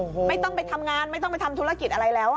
ก็ไม่สามารถไปทำงานไม่ต้องไปทำธุรกิจอะไร